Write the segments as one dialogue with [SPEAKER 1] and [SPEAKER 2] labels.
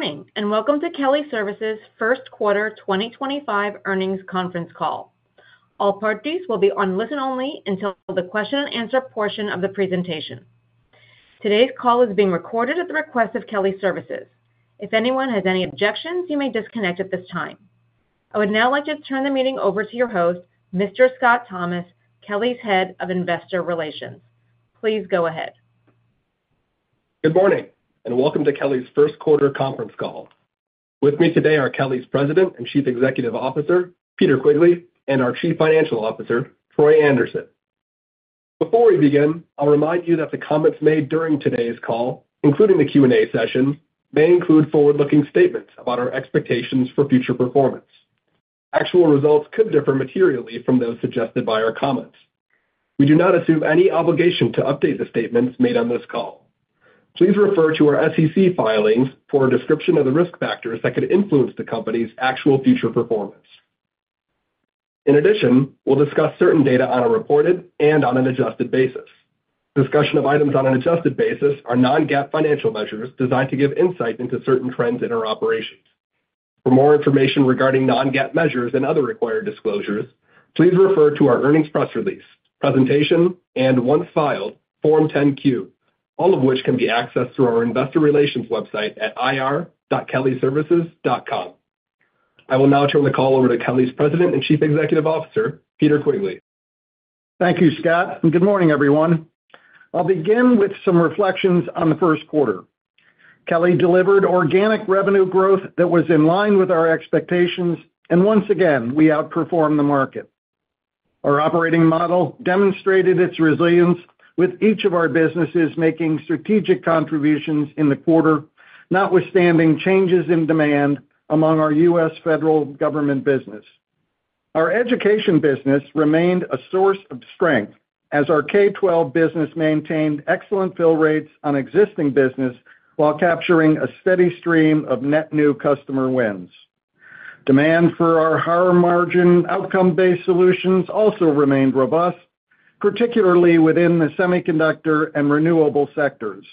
[SPEAKER 1] Good morning and welcome to Kelly Services' first quarter 2025 earnings conference call. All parties will be on listen only until the question and answer portion of the presentation. Today's call is being recorded at the request of Kelly Services. If anyone has any objections, you may disconnect at this time. I would now like to turn the meeting over to your host, Mr. Scott Thomas, Kelly's Head of Investor Relations. Please go ahead.
[SPEAKER 2] Good morning and welcome to Kelly's first quarter conference call. With me today are Kelly's President and Chief Executive Officer, Peter Quigley, and our Chief Financial Officer, Troy Anderson. Before we begin, I'll remind you that the comments made during today's call, including the Q&A session, may include forward-looking statements about our expectations for future performance. Actual results could differ materially from those suggested by our comments. We do not assume any obligation to update the statements made on this call. Please refer to our SEC filings for a description of the risk factors that could influence the company's actual future performance. In addition, we'll discuss certain data on a reported and on an adjusted basis. Discussion of items on an adjusted basis are non-GAAP financial measures designed to give insight into certain trends in our operations. For more information regarding non-GAAP measures and other required disclosures, please refer to our earnings press release, presentation, and once filed, Form 10Q, all of which can be accessed through our investor relations website at ir.kellyservices.com. I will now turn the call over to Kelly's President and Chief Executive Officer, Peter Quigley.
[SPEAKER 3] Thank you, Scott, and good morning, everyone. I'll begin with some reflections on the first quarter. Kelly delivered organic revenue growth that was in line with our expectations, and once again, we outperformed the market. Our operating model demonstrated its resilience, with each of our businesses making strategic contributions in the quarter, notwithstanding changes in demand among our U.S. federal government business. Our education business remained a source of strength as our K-12 business maintained excellent fill rates on existing business while capturing a steady stream of net new customer wins. Demand for our higher margin outcome-based solutions also remained robust, particularly within the semiconductor and renewable sectors.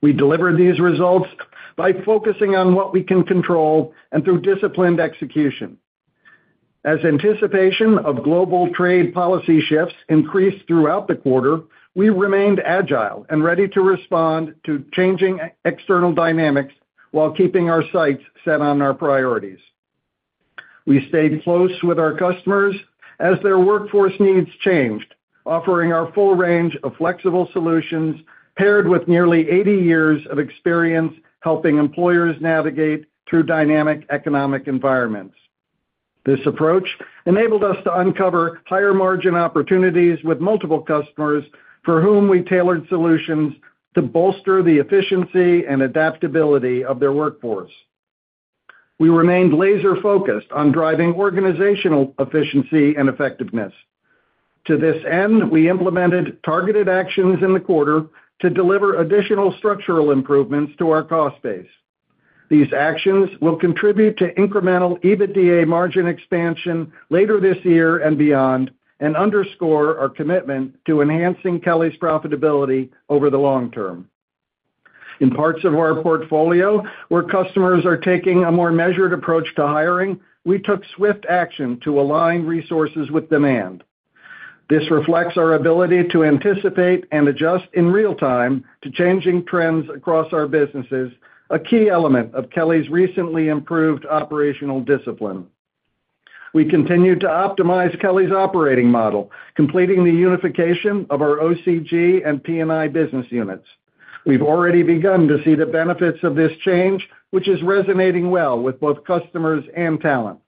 [SPEAKER 3] We delivered these results by focusing on what we can control and through disciplined execution. As anticipation of global trade policy shifts increased throughout the quarter, we remained agile and ready to respond to changing external dynamics while keeping our sights set on our priorities. We stayed close with our customers as their workforce needs changed, offering our full range of flexible solutions paired with nearly 80 years of experience helping employers navigate through dynamic economic environments. This approach enabled us to uncover higher margin opportunities with multiple customers for whom we tailored solutions to bolster the efficiency and adaptability of their workforce. We remained laser-focused on driving organizational efficiency and effectiveness. To this end, we implemented targeted actions in the quarter to deliver additional structural improvements to our cost base. These actions will contribute to incremental EBITDA margin expansion later this year and beyond and underscore our commitment to enhancing Kelly's profitability over the long term. In parts of our portfolio where customers are taking a more measured approach to hiring, we took swift action to align resources with demand. This reflects our ability to anticipate and adjust in real time to changing trends across our businesses, a key element of Kelly's recently improved operational discipline. We continue to optimize Kelly's operating model, completing the unification of our OCG and P&I business units. We've already begun to see the benefits of this change, which is resonating well with both customers and talent.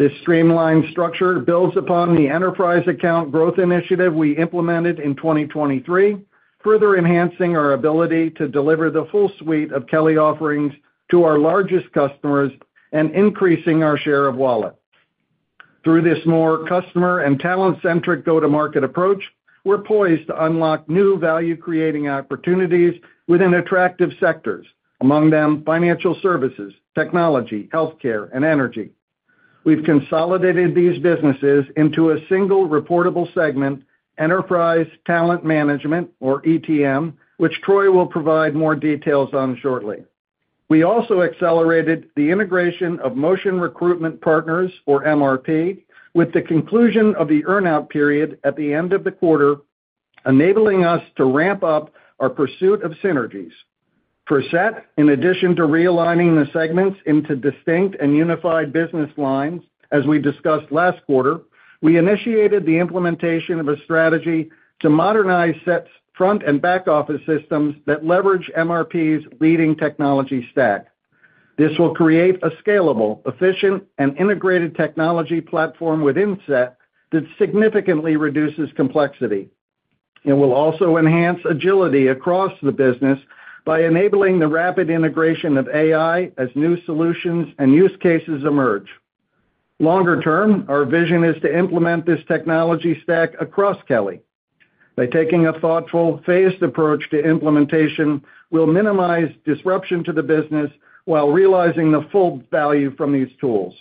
[SPEAKER 3] This streamlined structure builds upon the enterprise account growth initiative we implemented in 2023, further enhancing our ability to deliver the full suite of Kelly offerings to our largest customers and increasing our share of wallet. Through this more customer and talent-centric go-to-market approach, we're poised to unlock new value-creating opportunities within attractive sectors, among them financial services, technology, healthcare, and energy. We've consolidated these businesses into a single reportable segment, Enterprise Talent Management, or ETM, which Troy will provide more details on shortly. We also accelerated the integration of Motion Recruitment Partners, or MRP, with the conclusion of the earnout period at the end of the quarter, enabling us to ramp up our pursuit of synergies. For SET, in addition to realigning the segments into distinct and unified business lines, as we discussed last quarter, we initiated the implementation of a strategy to modernize SET's front and back office systems that leverage MRP's leading technology stack. This will create a scalable, efficient, and integrated technology platform within SET that significantly reduces complexity. It will also enhance agility across the business by enabling the rapid integration of AI as new solutions and use cases emerge. Longer term, our vision is to implement this technology stack across Kelly. By taking a thoughtful, phased approach to implementation, we'll minimize disruption to the business while realizing the full value from these tools.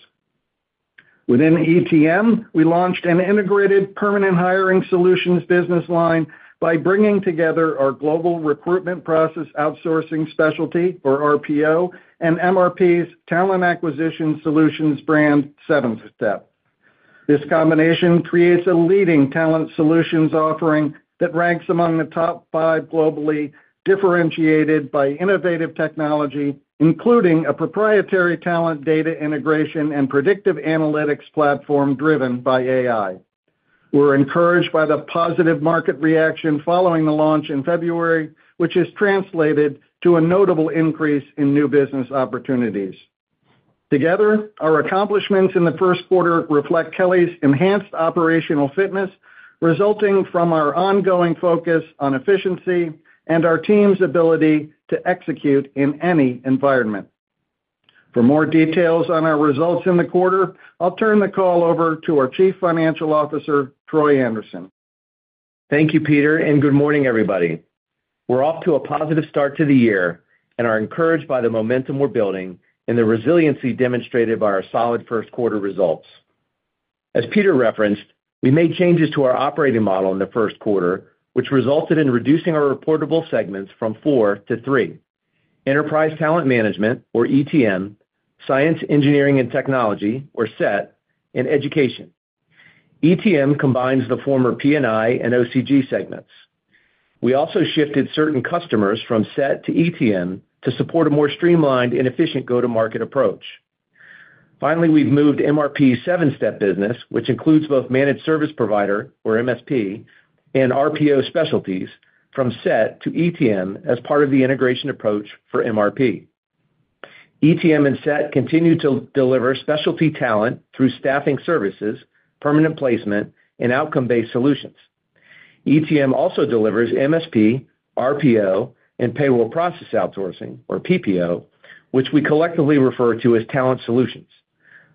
[SPEAKER 3] Within ETM, we launched an integrated permanent hiring solutions business line by bringing together our global recruitment process outsourcing specialty, or RPO, and MRP's talent acquisition solutions brand, Seven Step. This combination creates a leading talent solutions offering that ranks among the top five globally, differentiated by innovative technology, including a proprietary talent data integration and predictive analytics platform driven by AI. We're encouraged by the positive market reaction following the launch in February, which has translated to a notable increase in new business opportunities. Together, our accomplishments in the first quarter reflect Kelly's enhanced operational fitness, resulting from our ongoing focus on efficiency and our team's ability to execute in any environment. For more details on our results in the quarter, I'll turn the call over to our Chief Financial Officer, Troy Anderson.
[SPEAKER 4] Thank you, Peter, and good morning, everybody. We're off to a positive start to the year and are encouraged by the momentum we're building and the resiliency demonstrated by our solid first quarter results. As Peter referenced, we made changes to our operating model in the first quarter, which resulted in reducing our reportable segments from four to three: enterprise talent management, or ETM, science, engineering, and technology, or SET, and education. ETM combines the former P&I and OCG segments. We also shifted certain customers from SET to ETM to support a more streamlined and efficient go-to-market approach. Finally, we've moved MRP's Seven Step business, which includes both managed service provider, or MSP, and RPO specialties, from SET to ETM as part of the integration approach for MRP. ETM and SET continue to deliver specialty talent through staffing services, permanent placement, and outcome-based solutions. ETM also delivers MSP, RPO, and payroll process outsourcing, or PPO, which we collectively refer to as talent solutions.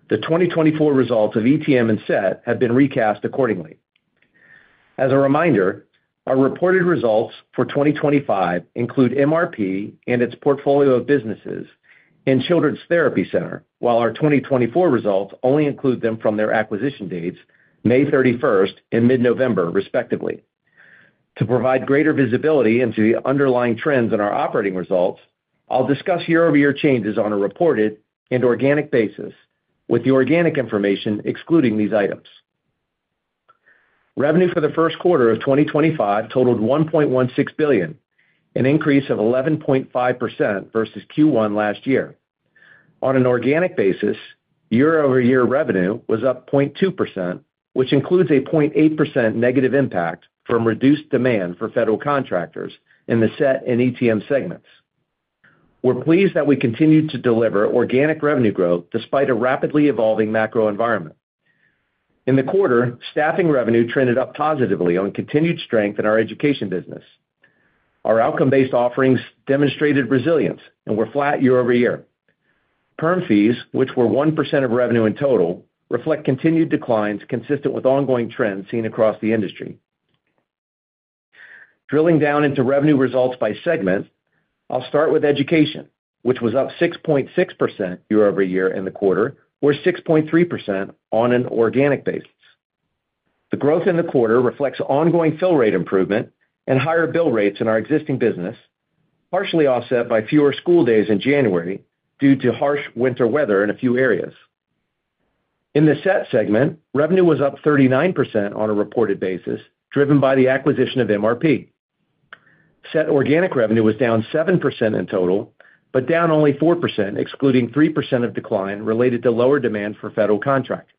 [SPEAKER 4] The 2024 results of ETM and SET have been recast accordingly. As a reminder, our reported results for 2025 include MRP and its portfolio of businesses and Children's Therapy Center, while our 2024 results only include them from their acquisition dates, May 31st and mid-November, respectively. To provide greater visibility into the underlying trends in our operating results, I'll discuss year-over-year changes on a reported and organic basis, with the organic information excluding these items. Revenue for the first quarter of 2025 totaled $1.16 billion, an increase of 11.5% versus Q1 last year. On an organic basis, year-over-year revenue was up 0.2%, which includes a 0.8% negative impact from reduced demand for federal contractors in the SET and ETM segments. We're pleased that we continue to deliver organic revenue growth despite a rapidly evolving macro environment. In the quarter, staffing revenue trended up positively on continued strength in our education business. Our outcome-based offerings demonstrated resilience, and we're flat year-over-year. Perm fees, which were 1% of revenue in total, reflect continued declines consistent with ongoing trends seen across the industry. Drilling down into revenue results by segment, I'll start with education, which was up 6.6% year-over-year in the quarter, or 6.3% on an organic basis. The growth in the quarter reflects ongoing fill rate improvement and higher bill rates in our existing business, partially offset by fewer school days in January due to harsh winter weather in a few areas. In the SET segment, revenue was up 39% on a reported basis, driven by the acquisition of MRP. SET organic revenue was down 7% in total, but down only 4%, excluding 3% of decline related to lower demand for federal contractors.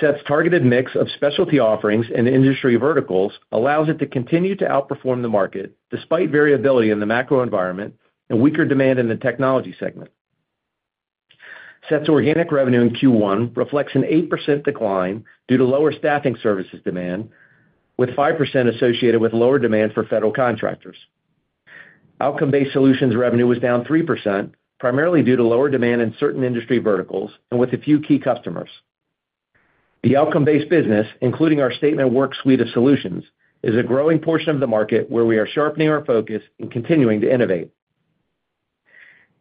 [SPEAKER 4] SET's targeted mix of specialty offerings and industry verticals allows it to continue to outperform the market despite variability in the macro environment and weaker demand in the technology segment. SET's organic revenue in Q1 reflects an 8% decline due to lower staffing services demand, with 5% associated with lower demand for federal contractors. Outcome-based solutions revenue was down 3%, primarily due to lower demand in certain industry verticals and with a few key customers. The outcome-based business, including our statement of work suite of solutions, is a growing portion of the market where we are sharpening our focus and continuing to innovate.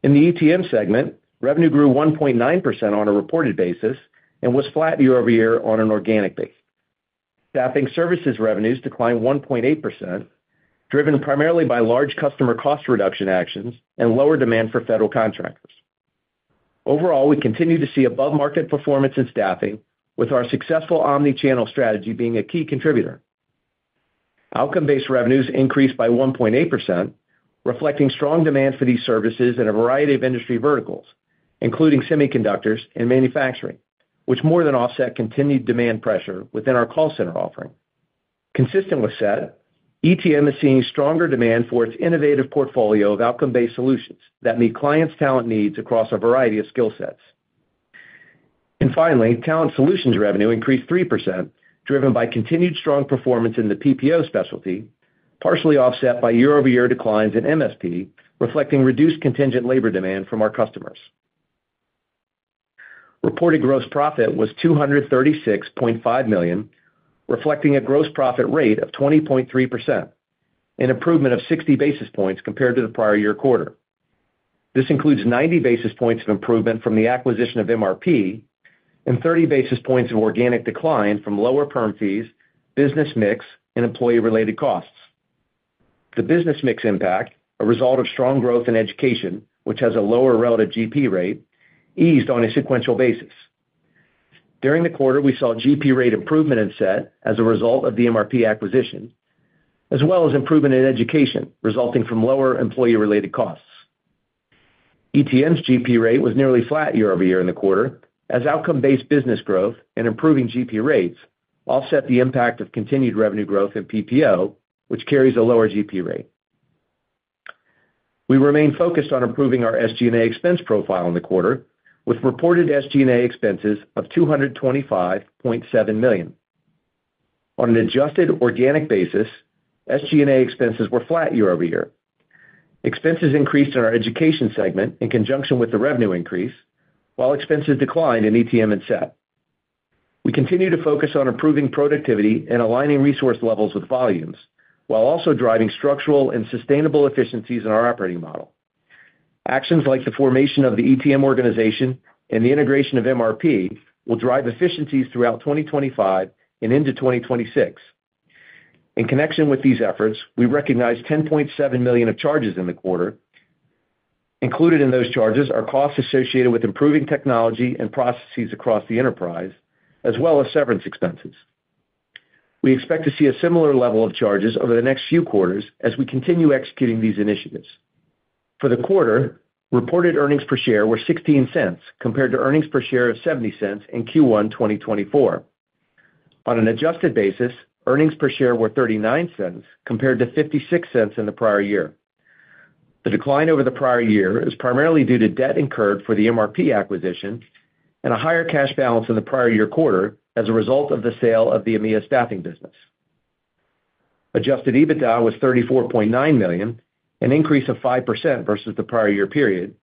[SPEAKER 4] In the ETM segment, revenue grew 1.9% on a reported basis and was flat year-over-year on an organic basis. Staffing services revenues declined 1.8%, driven primarily by large customer cost reduction actions and lower demand for federal contractors. Overall, we continue to see above-market performance in staffing, with our successful omnichannel strategy being a key contributor. Outcome-based revenues increased by 1.8%, reflecting strong demand for these services in a variety of industry verticals, including semiconductors and manufacturing, which more than offset continued demand pressure within our call center offering. Consistent with SET, ETM is seeing stronger demand for its innovative portfolio of outcome-based solutions that meet clients' talent needs across a variety of skill sets. Finally, talent solutions revenue increased 3%, driven by continued strong performance in the PPO specialty, partially offset by year-over-year declines in MSP, reflecting reduced contingent labor demand from our customers. Reported gross profit was $236.5 million, reflecting a gross profit rate of 20.3%, an improvement of 60 basis points compared to the prior year quarter. This includes 90 basis points of improvement from the acquisition of MRP and 30 basis points of organic decline from lower perm fees, business mix, and employee-related costs. The business mix impact, a result of strong growth in education, which has a lower relative GP rate, eased on a sequential basis. During the quarter, we saw GP rate improvement in SET as a result of the MRP acquisition, as well as improvement in education resulting from lower employee-related costs. ETM's GP rate was nearly flat year-over-year in the quarter, as outcome-based business growth and improving GP rates offset the impact of continued revenue growth in PPO, which carries a lower GP rate. We remain focused on improving our SG&A expense profile in the quarter, with reported SG&A expenses of $225.7 million. On an adjusted organic basis, SG&A expenses were flat year-over-year. Expenses increased in our education segment in conjunction with the revenue increase, while expenses declined in ETM and SET. We continue to focus on improving productivity and aligning resource levels with volumes, while also driving structural and sustainable efficiencies in our operating model. Actions like the formation of the ETM organization and the integration of MRP will drive efficiencies throughout 2025 and into 2026. In connection with these efforts, we recognize $10.7 million of charges in the quarter. Included in those charges are costs associated with improving technology and processes across the enterprise, as well as severance expenses. We expect to see a similar level of charges over the next few quarters as we continue executing these initiatives. For the quarter, reported earnings per share were $0.16 compared to earnings per share of $0.70 in Q1 2024. On an adjusted basis, earnings per share were $0.39 compared to $0.56 in the prior year. The decline over the prior year is primarily due to debt incurred for the MRP acquisition and a higher cash balance in the prior year quarter as a result of the sale of the AMEA staffing business. Adjusted EBITDA was $34.9 million, an increase of 5% versus the prior year period,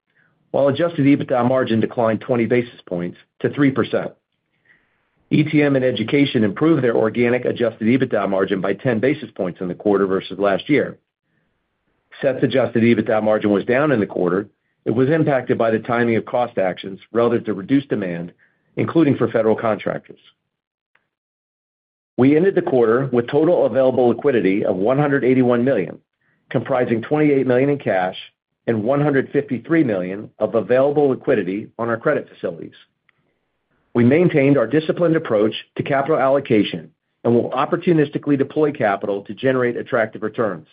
[SPEAKER 4] while adjusted EBITDA margin declined 20 basis points to 3%. ETM and education improved their organic adjusted EBITDA margin by 10 basis points in the quarter versus last year. SET's adjusted EBITDA margin was down in the quarter. It was impacted by the timing of cost actions relative to reduced demand, including for federal contractors. We ended the quarter with total available liquidity of $181 million, comprising $28 million in cash and $153 million of available liquidity on our credit facilities. We maintained our disciplined approach to capital allocation and will opportunistically deploy capital to generate attractive returns.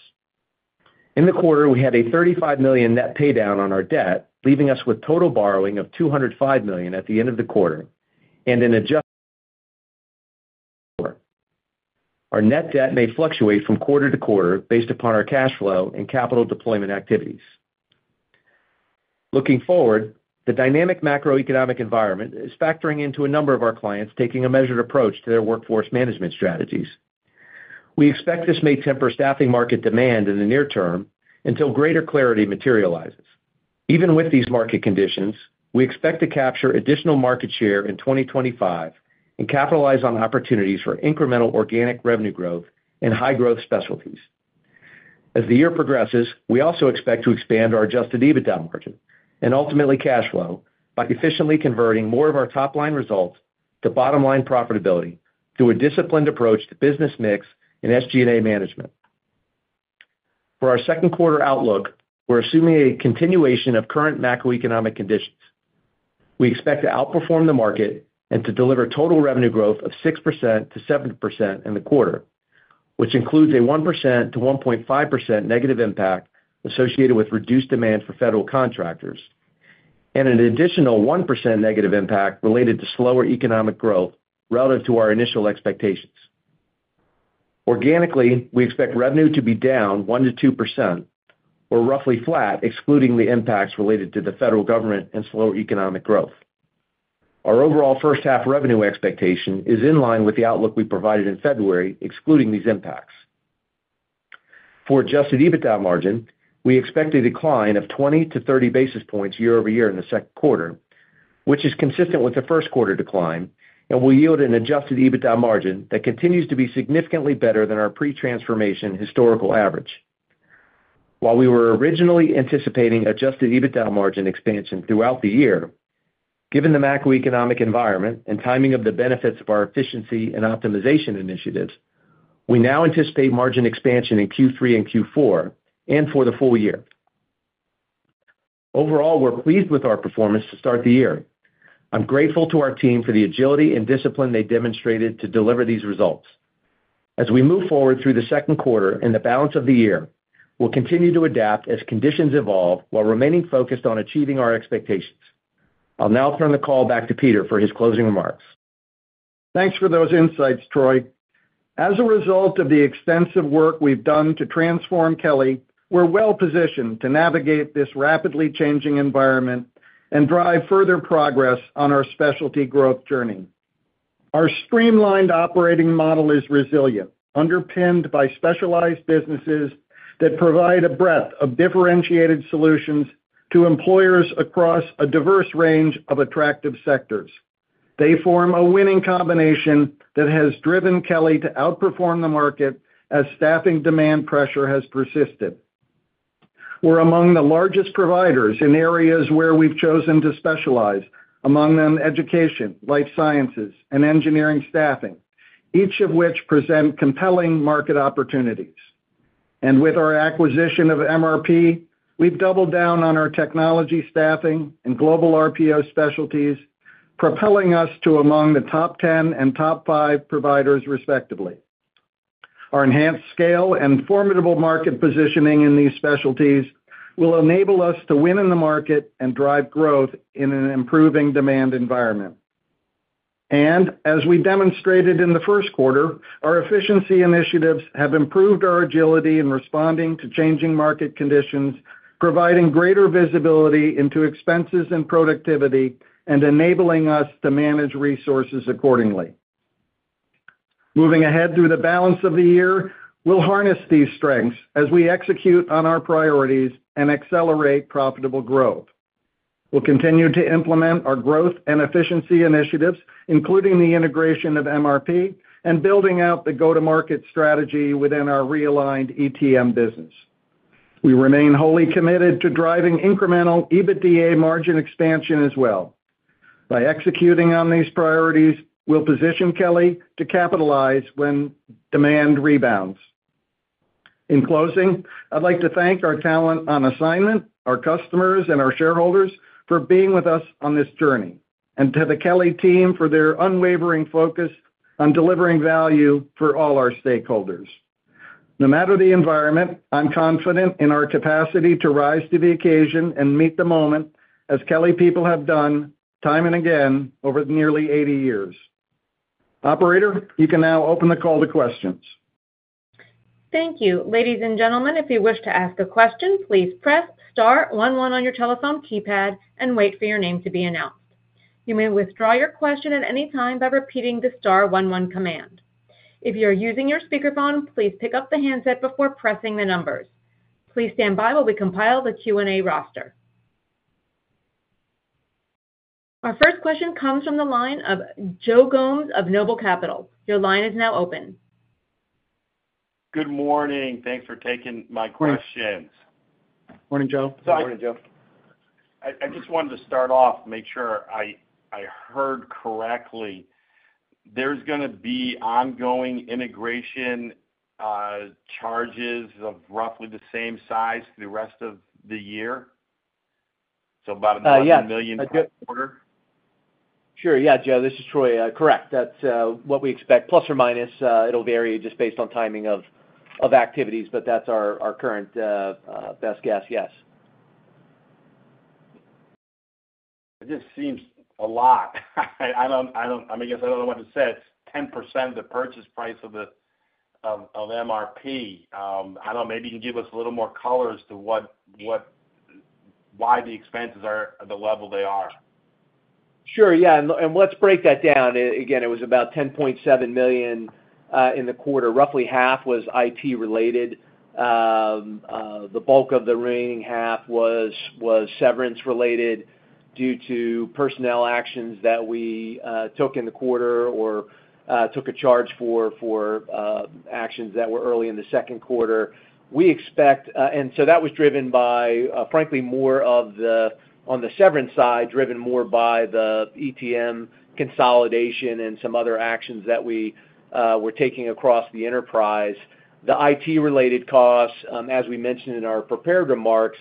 [SPEAKER 4] In the quarter, we had a $35 million net paydown on our debt, leaving us with total borrowing of $205 million at the end of the quarter and an adjusted net paydown of $204 million. Our net debt may fluctuate from quarter to quarter based upon our cash flow and capital deployment activities. Looking forward, the dynamic macroeconomic environment is factoring into a number of our clients taking a measured approach to their workforce management strategies. We expect this may temper staffing market demand in the near term until greater clarity materializes. Even with these market conditions, we expect to capture additional market share in 2025 and capitalize on opportunities for incremental organic revenue growth and high-growth specialties. As the year progresses, we also expect to expand our adjusted EBITDA margin and ultimately cash flow by efficiently converting more of our top-line results to bottom-line profitability through a disciplined approach to business mix and SG&A management. For our second quarter outlook, we're assuming a continuation of current macroeconomic conditions. We expect to outperform the market and to deliver total revenue growth of 6%-7% in the quarter, which includes a 1%-1.5% negative impact associated with reduced demand for federal contractors and an additional 1% negative impact related to slower economic growth relative to our initial expectations. Organically, we expect revenue to be down 1%-2%, or roughly flat, excluding the impacts related to the federal government and slower economic growth. Our overall first-half revenue expectation is in line with the outlook we provided in February, excluding these impacts. For adjusted EBITDA margin, we expect a decline of 20-30 basis points year-over-year in the second quarter, which is consistent with the first quarter decline and will yield an adjusted EBITDA margin that continues to be significantly better than our pre-transformation historical average. While we were originally anticipating adjusted EBITDA margin expansion throughout the year, given the macroeconomic environment and timing of the benefits of our efficiency and optimization initiatives, we now anticipate margin expansion in Q3 and Q4 and for the full year. Overall, we're pleased with our performance to start the year. I'm grateful to our team for the agility and discipline they demonstrated to deliver these results. As we move forward through the second quarter and the balance of the year, we'll continue to adapt as conditions evolve while remaining focused on achieving our expectations. I'll now turn the call back to Peter for his closing remarks.
[SPEAKER 3] Thanks for those insights, Troy. As a result of the extensive work we've done to transform Kelly, we're well-positioned to navigate this rapidly changing environment and drive further progress on our specialty growth journey. Our streamlined operating model is resilient, underpinned by specialized businesses that provide a breadth of differentiated solutions to employers across a diverse range of attractive sectors. They form a winning combination that has driven Kelly to outperform the market as staffing demand pressure has persisted. We're among the largest providers in areas where we've chosen to specialize, among them education, life sciences, and engineering staffing, each of which presents compelling market opportunities. With our acquisition of MRP, we've doubled down on our technology staffing and global RPO specialties, propelling us to among the top 10 and top 5 providers, respectively. Our enhanced scale and formidable market positioning in these specialties will enable us to win in the market and drive growth in an improving demand environment. As we demonstrated in the first quarter, our efficiency initiatives have improved our agility in responding to changing market conditions, providing greater visibility into expenses and productivity, and enabling us to manage resources accordingly. Moving ahead through the balance of the year, we'll harness these strengths as we execute on our priorities and accelerate profitable growth. We'll continue to implement our growth and efficiency initiatives, including the integration of MRP and building out the go-to-market strategy within our realigned ETM business. We remain wholly committed to driving incremental EBITDA margin expansion as well. By executing on these priorities, we'll position Kelly to capitalize when demand rebounds. In closing, I'd like to thank our talent on assignment, our customers, and our shareholders for being with us on this journey, and to the Kelly team for their unwavering focus on delivering value for all our stakeholders. No matter the environment, I'm confident in our capacity to rise to the occasion and meet the moment, as Kelly people have done time and again over nearly 80 years. Operator, you can now open the call to questions.
[SPEAKER 1] Thank you. Ladies and gentlemen, if you wish to ask a question, please press star one one on your telephone keypad and wait for your name to be announced. You may withdraw your question at any time by repeating the star one one command. If you're using your speakerphone, please pick up the handset before pressing the numbers. Please stand by while we compile the Q&A roster. Our first question comes from the line of Joe Gomes of Noble Capital. Your line is now open. Good morning. Thanks for taking my questions.
[SPEAKER 3] Morning, Joe. Sorry.
[SPEAKER 4] Morning, Joe. I just wanted to start off, make sure I heard correctly. There's going to be ongoing integration charges of roughly the same size through the rest of the year, so about $1 million for the quarter?
[SPEAKER 5] Sure. Yeah, Joe, this is Troy. Correct. That's what we expect. Plus or minus, it'll vary just based on timing of activities, but that's our current best guess, yes. It just seems a lot. I guess I don't know what to say. It's 10% of the purchase price of MRP. I don't know. Maybe you can give us a little more color as to why the expenses are at the level they are. Sure. Yeah. Let's break that down. Again, it was about $10.7 million in the quarter. Roughly half was IT-related. The bulk of the remaining half was severance-related due to personnel actions that we took in the quarter or took a charge for actions that were early in the second quarter. That was driven by, frankly, more on the severance side, driven more by the ETM consolidation and some other actions that we were taking across the enterprise. The IT-related costs, as we mentioned in our prepared remarks,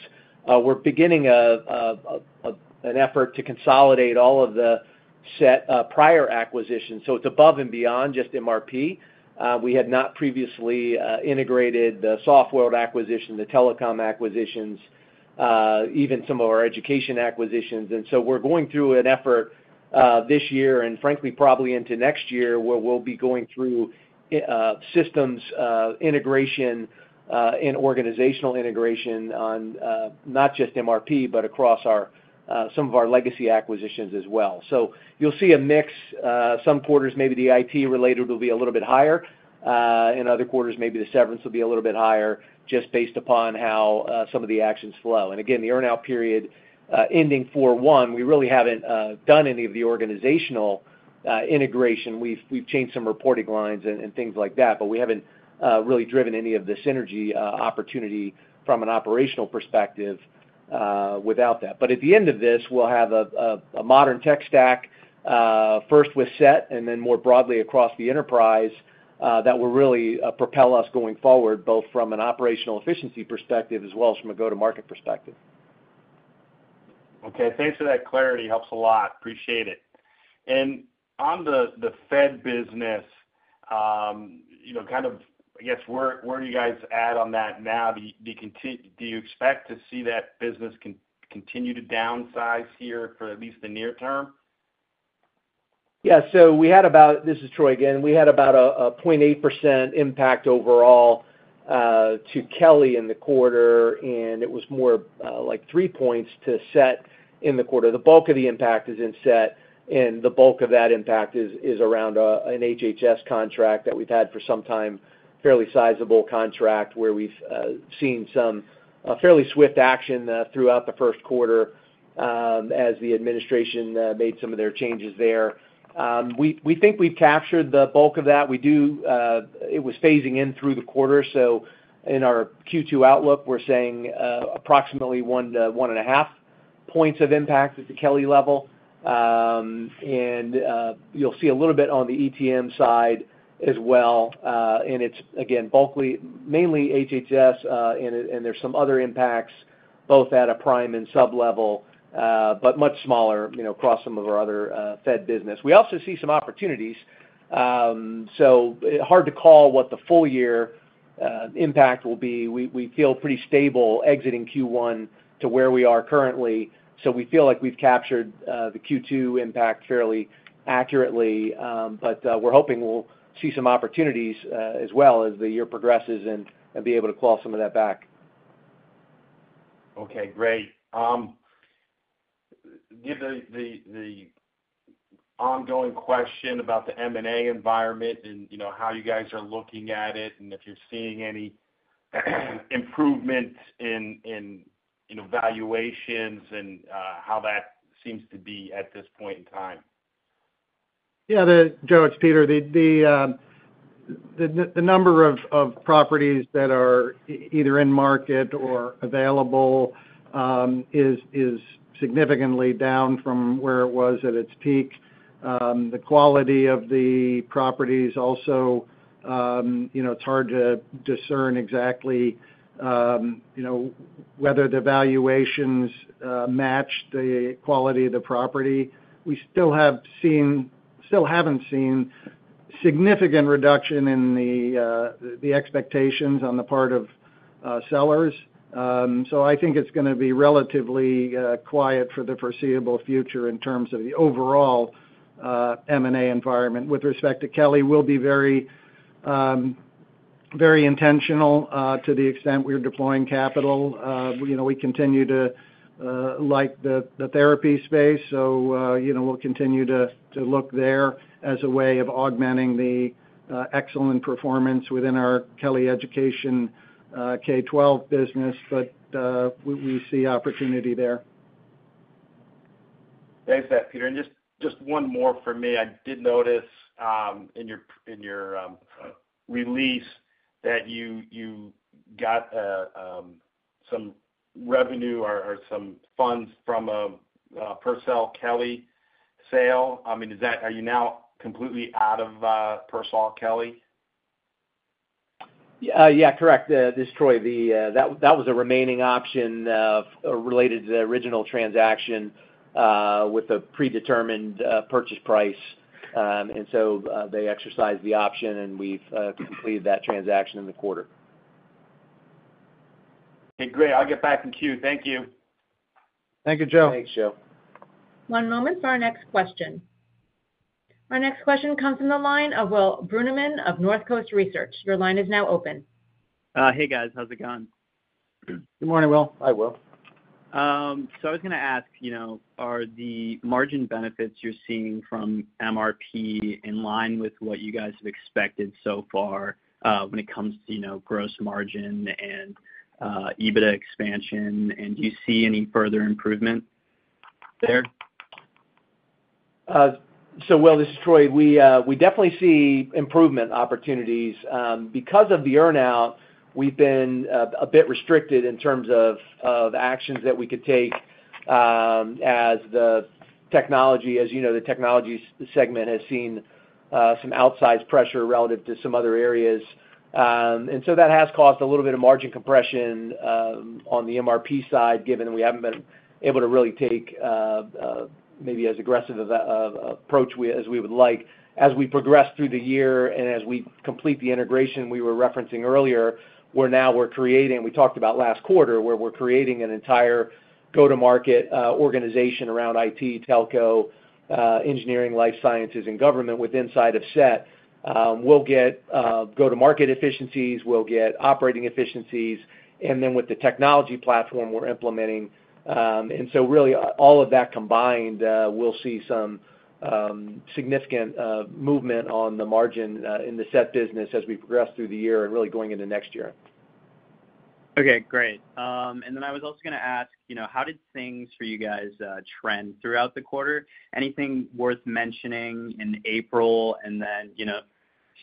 [SPEAKER 5] we're beginning an effort to consolidate all of the prior acquisitions. It is above and beyond just MRP. We had not previously integrated the software acquisition, the telecom acquisitions, even some of our education acquisitions. We are going through an effort this year and, frankly, probably into next year where we will be going through systems integration and organizational integration on not just MRP, but across some of our legacy acquisitions as well. You will see a mix. Some quarters, maybe the IT-related will be a little bit higher. In other quarters, maybe the severance will be a little bit higher just based upon how some of the actions flow. Again, the earnout period ending April 1, we really have not done any of the organizational integration. We've changed some reporting lines and things like that, but we haven't really driven any of the synergy opportunity from an operational perspective without that. At the end of this, we'll have a modern tech stack, first with SET and then more broadly across the enterprise that will really propel us going forward, both from an operational efficiency perspective as well as from a go-to-market perspective. Okay. Thanks for that clarity. Helps a lot. Appreciate it. On the Fed business, kind of, I guess, where do you guys add on that now? Do you expect to see that business continue to downsize here for at least the near term? Yeah. We had about—this is Troy again—we had about a 0.8% impact overall to Kelly in the quarter, and it was more like three points to SET in the quarter. The bulk of the impact is in SET, and the bulk of that impact is around an HHS contract that we've had for some time, a fairly sizable contract where we've seen some fairly swift action throughout the first quarter as the administration made some of their changes there. We think we've captured the bulk of that. It was phasing in through the quarter. In our Q2 outlook, we're saying approximately one to one and a half points of impact at the Kelly level. You'll see a little bit on the ETM side as well. It is, again, mainly HHS, and there are some other impacts both at a prime and sub-level, but much smaller across some of our other Fed business. We also see some opportunities. Hard to call what the full year impact will be. We feel pretty stable exiting Q1 to where we are currently. We feel like we've captured the Q2 impact fairly accurately, but we're hoping we'll see some opportunities as well as the year progresses and be able to claw some of that back.
[SPEAKER 6] Okay. Great. The ongoing question about the M&A environment and how you guys are looking at it and if you're seeing any improvement in valuations and how that seems to be at this point in time.
[SPEAKER 3] Yeah. No, it's Peter. The number of properties that are either in market or available is significantly down from where it was at its peak. The quality of the properties also, it's hard to discern exactly whether the valuations match the quality of the property. We still haven't seen significant reduction in the expectations on the part of sellers. I think it's going to be relatively quiet for the foreseeable future in terms of the overall M&A environment. With respect to Kelly, we'll be very intentional to the extent we're deploying capital. We continue to like the therapy space, so we'll continue to look there as a way of augmenting the excellent performance within our Kelly Education K12 business, but we see opportunity there.
[SPEAKER 6] Thanks for that, Peter. And just one more for me. I did notice in your release that you got some revenue or some funds from a Purcell-Kelly sale. I mean, are you now completely out of Purcell-Kelly?
[SPEAKER 4] Yeah. Correct. This is Troy. That was a remaining option related to the original transaction with a predetermined purchase price. And so they exercised the option, and we've completed that transaction in the quarter.
[SPEAKER 6] Okay. Great. I'll get back in queue. Thank you.
[SPEAKER 4] Thank you, Joe.
[SPEAKER 3] Thanks, Joe.
[SPEAKER 1] One moment for our next question. Our next question comes from the line of Will Brunemann of Northcoast Research. Your line is now open.
[SPEAKER 7] Hey, guys. How's it going?
[SPEAKER 4] Good morning, Will.
[SPEAKER 3] Hi, Will.
[SPEAKER 7] I was going to ask, are the margin benefits you're seeing from MRP in line with what you guys have expected so far when it comes to gross margin and EBITDA expansion? Do you see any further improvement there?
[SPEAKER 4] Will, this is Troy. We definitely see improvement opportunities. Because of the earnout, we've been a bit restricted in terms of actions that we could take as the technology—as you know, the technology segment has seen some outsized pressure relative to some other areas. That has caused a little bit of margin compression on the MRP side, given that we haven't been able to really take maybe as aggressive an approach as we would like. As we progressed through the year and as we complete the integration we were referencing earlier, we're now creating—we talked about last quarter—where we're creating an entire go-to-market organization around IT, telco, engineering, life sciences, and government within sight of SET. We'll get go-to-market efficiencies. We'll get operating efficiencies. And then with the technology platform we're implementing, and so really all of that combined, we'll see some significant movement on the margin in the SET business as we progress through the year and really going into next year.
[SPEAKER 7] Okay. Great. And then I was also going to ask, how did things for you guys trend throughout the quarter? Anything worth mentioning in April? And then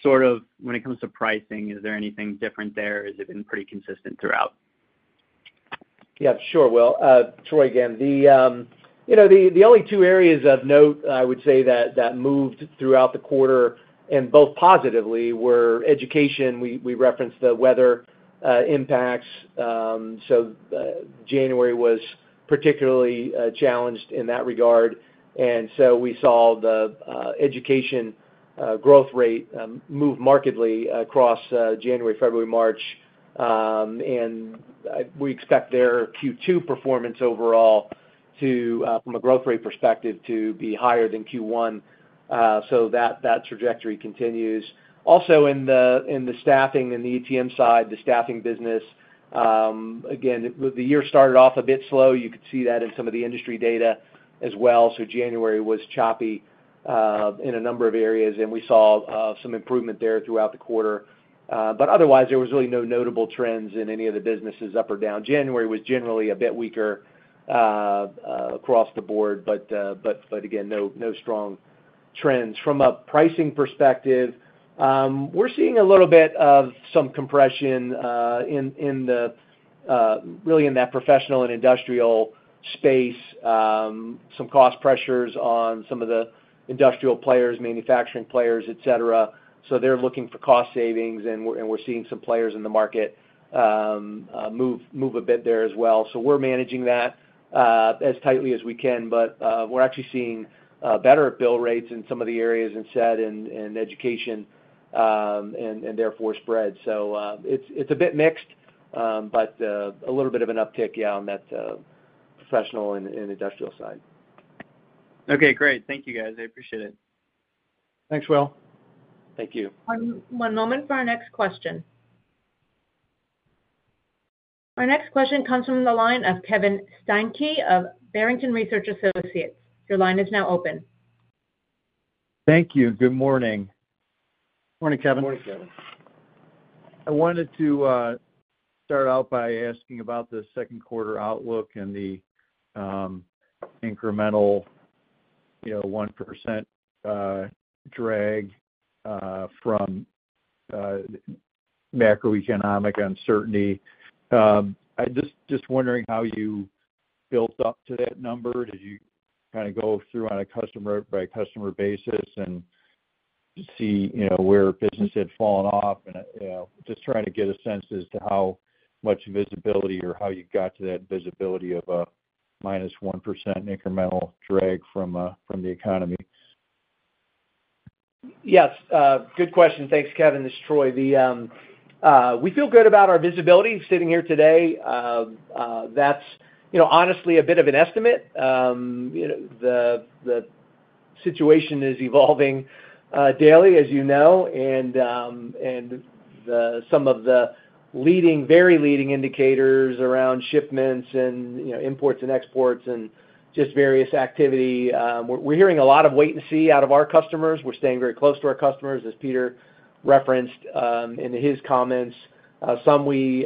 [SPEAKER 7] sort of when it comes to pricing, is there anything different there? Has it been pretty consistent throughout?
[SPEAKER 4] Yeah. Sure. Troy, again, the only two areas of note I would say that moved throughout the quarter and both positively were education. We referenced the weather impacts. January was particularly challenged in that regard. We saw the education growth rate move markedly across January, February, March. We expect their Q2 performance overall from a growth rate perspective to be higher than Q1 so that that trajectory continues. Also, in the staffing and the ETM side, the staffing business, again, the year started off a bit slow. You could see that in some of the industry data as well. January was choppy in a number of areas, and we saw some improvement there throughout the quarter. Otherwise, there was really no notable trends in any of the businesses up or down. January was generally a bit weaker across the board, but again, no strong trends. From a pricing perspective, we're seeing a little bit of some compression really in that professional and industrial space, some cost pressures on some of the industrial players, manufacturing players, etc. They are looking for cost savings, and we're seeing some players in the market move a bit there as well. We're managing that as tightly as we can, but we're actually seeing better bill rates in some of the areas in SET and education and therefore spread. It is a bit mixed, but a little bit of an uptick, yeah, on that professional and industrial side.
[SPEAKER 7] Okay. Great. Thank you, guys. I appreciate it.
[SPEAKER 4] Thanks, Will.
[SPEAKER 1] Thank you. One moment for our next question. Our next question comes from the line of Kevin Steinke of Barrington Research Associates. Your line is now open.
[SPEAKER 8] Thank you. Good morning.
[SPEAKER 4] Morning, Kevin.
[SPEAKER 3] Morning, Kevin.
[SPEAKER 8] I wanted to start out by asking about the second quarter outlook and the incremental 1% drag from macroeconomic uncertainty. Just wondering how you built up to that number. Did you kind of go through on a customer-by-customer basis and see where business had fallen off? Just trying to get a sense as to how much visibility or how you got to that visibility of a minus 1% incremental drag from the economy.
[SPEAKER 4] Yes. Good question. Thanks, Kevin. This is Troy. We feel good about our visibility sitting here today. That is honestly a bit of an estimate. The situation is evolving daily, as you know, and some of the very leading indicators around shipments and imports and exports and just various activity. We are hearing a lot of wait and see out of our customers. We are staying very close to our customers, as Peter referenced in his comments. Some who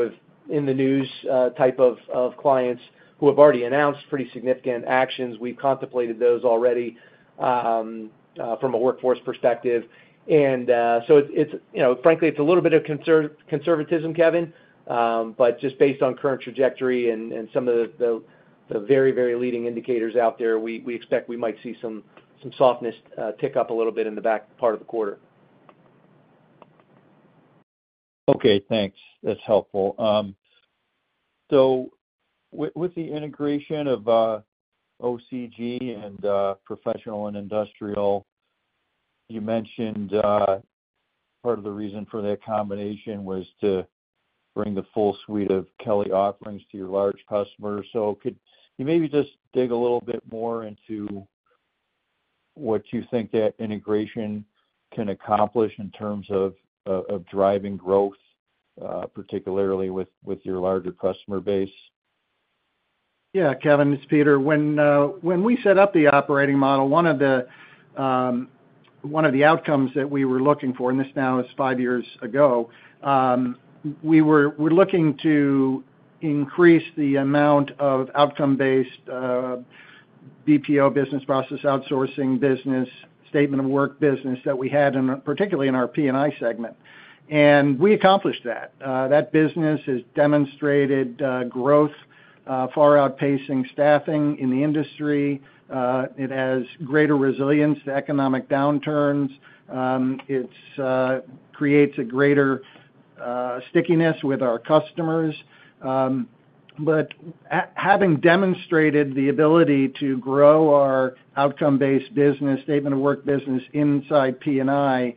[SPEAKER 4] are in the news type of clients who have already announced pretty significant actions. We have contemplated those already from a workforce perspective. Frankly, it is a little bit of conservatism, Kevin, but just based on current trajectory and some of the very, very leading indicators out there, we expect we might see some softness tick up a little bit in the back part of the quarter.
[SPEAKER 8] Okay. Thanks. That is helpful. With the integration of OCG and Professional and Industrial, you mentioned part of the reason for that combination was to bring the full suite of Kelly offerings to your large customers. Could you maybe just dig a little bit more into what you think that integration can accomplish in terms of driving growth, particularly with your larger customer base?
[SPEAKER 3] Yeah. Kevin, this is Peter. When we set up the operating model, one of the outcomes that we were looking for—and this now is five years ago—we were looking to increase the amount of outcome-based BPO business, process outsourcing business, statement of work business that we had, particularly in our P&I segment. We accomplished that. That business has demonstrated growth, far outpacing staffing in the industry. It has greater resilience to economic downturns. It creates a greater stickiness with our customers. Having demonstrated the ability to grow our outcome-based business, statement of work business inside P&I,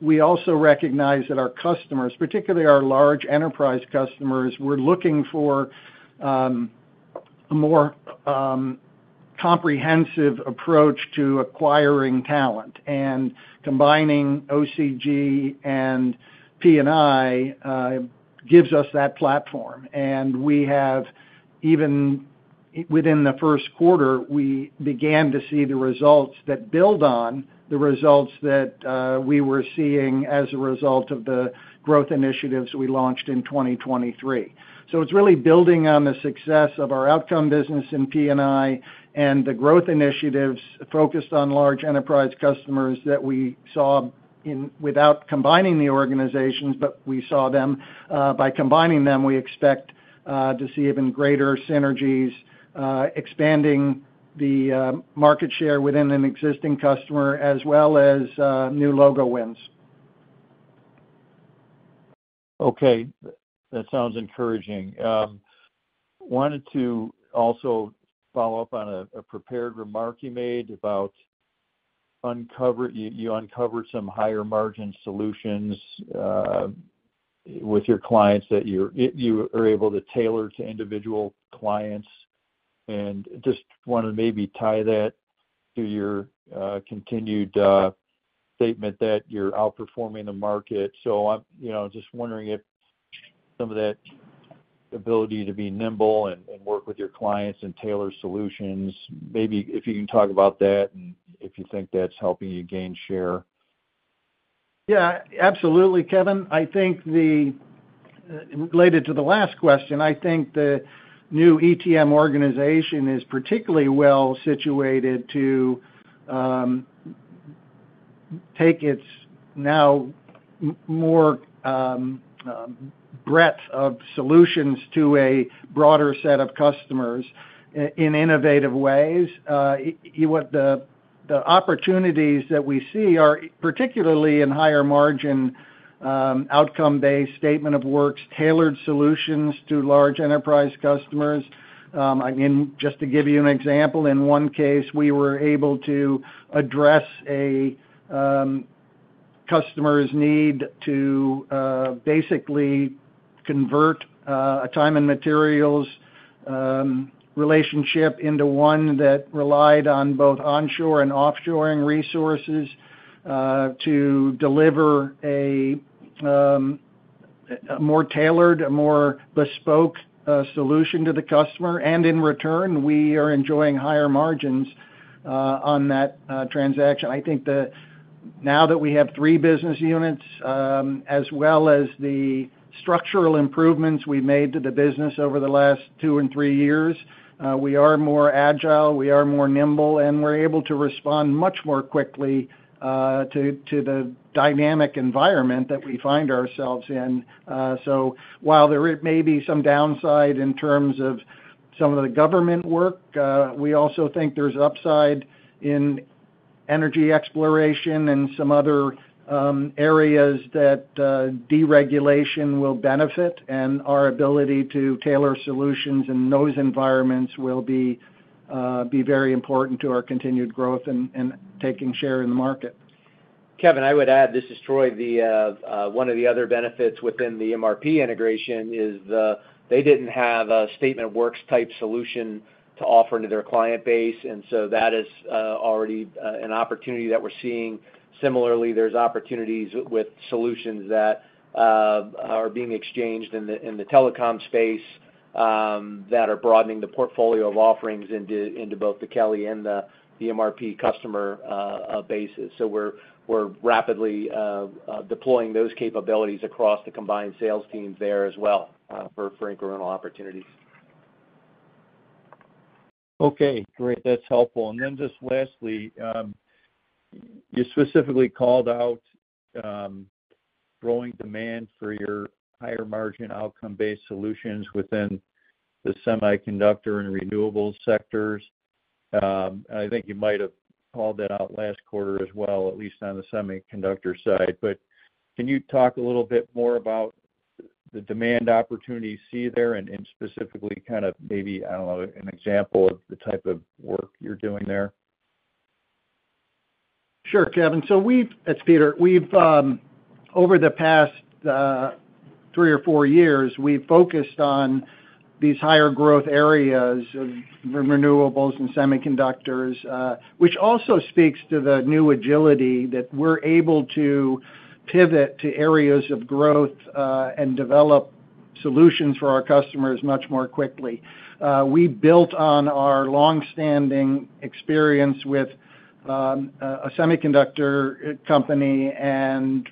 [SPEAKER 3] we also recognize that our customers, particularly our large enterprise customers, were looking for a more comprehensive approach to acquiring talent. Combining OCG and P&I gives us that platform. Even within the first quarter, we began to see the results that build on the results that we were seeing as a result of the growth initiatives we launched in 2023. It is really building on the success of our outcome business in P&I and the growth initiatives focused on large enterprise customers that we saw without combining the organizations, but we saw them. By combining them, we expect to see even greater synergies, expanding the market share within an existing customer as well as new logo wins.
[SPEAKER 8] Okay. That sounds encouraging. I wanted to also follow up on a prepared remark you made about you uncovered some higher margin solutions with your clients that you are able to tailor to individual clients. I just wanted to maybe tie that to your continued statement that you are outperforming the market. I'm just wondering if some of that ability to be nimble and work with your clients and tailor solutions, maybe if you can talk about that and if you think that's helping you gain share.
[SPEAKER 3] Yeah. Absolutely, Kevin. Related to the last question, I think the new ETM organization is particularly well situated to take its now more breadth of solutions to a broader set of customers in innovative ways. The opportunities that we see are particularly in higher margin, outcome-based, statement of works, tailored solutions to large enterprise customers. Just to give you an example, in one case, we were able to address a customer's need to basically convert a time and materials relationship into one that relied on both onshore and offshoring resources to deliver a more tailored, a more bespoke solution to the customer. In return, we are enjoying higher margins on that transaction. I think now that we have three business units as well as the structural improvements we have made to the business over the last two and three years, we are more agile, we are more nimble, and we are able to respond much more quickly to the dynamic environment that we find ourselves in. While there may be some downside in terms of some of the government work, we also think there is upside in energy exploration and some other areas that deregulation will benefit. Our ability to tailor solutions in those environments will be very important to our continued growth and taking share in the market.
[SPEAKER 4] Kevin, I would add, this is Troy. One of the other benefits within the MRP integration is they did not have a statement of work type solution to offer to their client base. That is already an opportunity that we are seeing. Similarly, there's opportunities with solutions that are being exchanged in the telecom space that are broadening the portfolio of offerings into both the Kelly and the MRP customer bases. We're rapidly deploying those capabilities across the combined sales teams there as well for incremental opportunities.
[SPEAKER 8] Okay. Great. That's helpful. Then just lastly, you specifically called out growing demand for your higher margin outcome-based solutions within the semiconductor and renewables sectors. I think you might have called that out last quarter as well, at least on the semiconductor side. Can you talk a little bit more about the demand opportunity you see there and specifically kind of maybe, I don't know, an example of the type of work you're doing there?
[SPEAKER 3] Sure, Kevin. That's Peter. Over the past three or four years, we've focused on these higher growth areas of renewables and semiconductors, which also speaks to the new agility that we're able to pivot to areas of growth and develop solutions for our customers much more quickly. We built on our long-standing experience with a semiconductor company and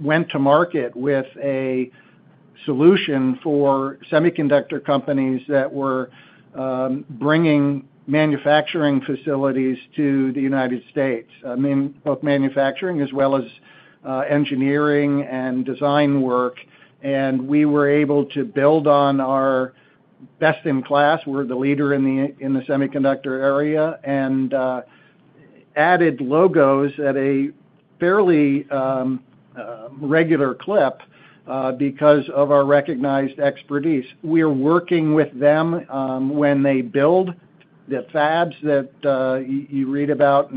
[SPEAKER 3] went to market with a solution for semiconductor companies that were bringing manufacturing facilities to the United States, both manufacturing as well as engineering and design work. We were able to build on our best in class. We're the leader in the semiconductor area and added logos at a fairly regular clip because of our recognized expertise. We're working with them when they build the fabs that you read about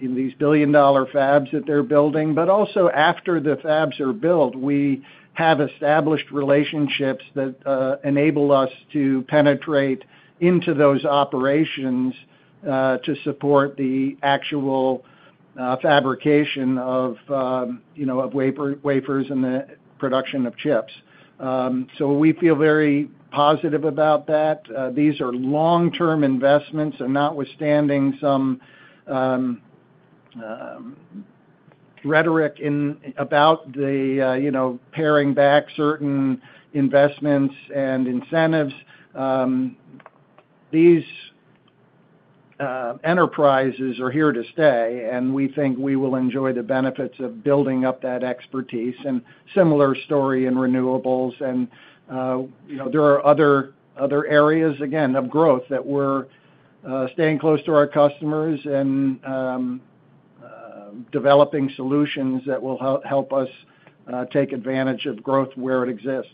[SPEAKER 3] in these billion-dollar fabs that they're building. After the fabs are built, we have established relationships that enable us to penetrate into those operations to support the actual fabrication of wafers and the production of chips. We feel very positive about that. These are long-term investments. Notwithstanding some rhetoric about the paring back of certain investments and incentives, these enterprises are here to stay. We think we will enjoy the benefits of building up that expertise. A similar story in renewables. There are other areas, again, of growth that we're staying close to our customers and developing solutions that will help us take advantage of growth where it exists.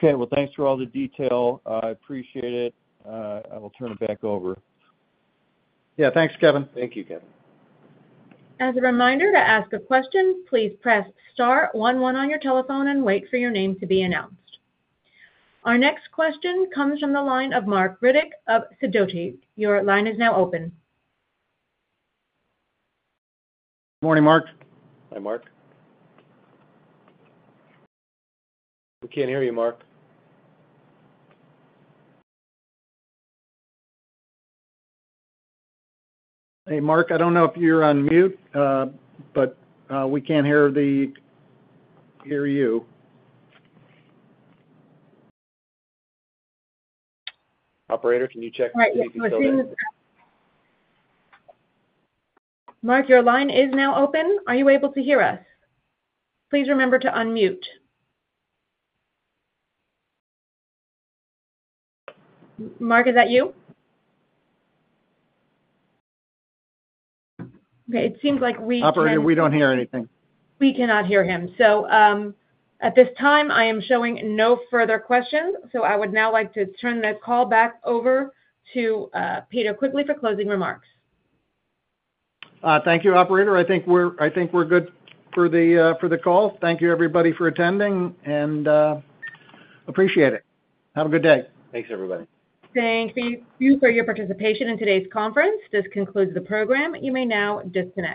[SPEAKER 8] Thank you for all the detail. I appreciate it. I will turn it back over.
[SPEAKER 4] Yeah. Thank you, Kevin.
[SPEAKER 3] Thank you, Kevin.
[SPEAKER 1] As a reminder to ask a question, please press star one one on your telephone and wait for your name to be announced. Our next question comes from the line of Marc Riddick of Sidoti. Your line is now open.
[SPEAKER 4] Good morning, Marc.
[SPEAKER 3] Hi, Marc.
[SPEAKER 4] We can't hear you, Marc.
[SPEAKER 3] Hey, Marc. I don't know if you're on mute, but we can't hear you.
[SPEAKER 4] Operator, can you check to see if you can still hear me? Right.
[SPEAKER 1] We're seeing the. Marc, your line is now open. Are you able to hear us? Please remember to unmute. Marc, is that you? Okay. It seems like we—
[SPEAKER 3] Operator, we don't hear anything.
[SPEAKER 1] We cannot hear him. At this time, I am showing no further questions. I would now like to turn the call back over to Peter Quigley for closing remarks.
[SPEAKER 3] Thank you, Operator. I think we're good for the call.
[SPEAKER 4] Thank you, everybody, for attending. Appreciate it. Have a good day. Thanks, everybody.
[SPEAKER 1] Thank you for your participation in today's conference. This concludes the program. You may now disconnect.